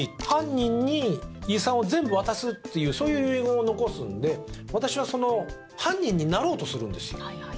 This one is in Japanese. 犯人に遺産を全部渡すっていう遺言を残すんで私はその犯人になろうとするんですよ。